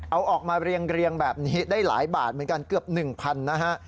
เอาออกมาเรียงแบบนี้ได้หลายบาทเหมือนกันเกือบ๑๐๐นะฮะ